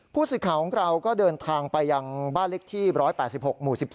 ผู้สื่อข่าวของเราก็เดินทางไปยังบ้านเล็กที่๑๘๖หมู่๑๒